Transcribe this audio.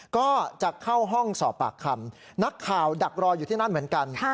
ก็จะเข้าห้องสอบปากคำนักข่าวดักรออยู่ที่นั่นเหมือนกัน